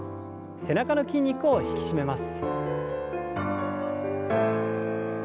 背中の筋肉を引き締めます。